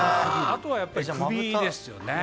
あとはやっぱり首ですよね。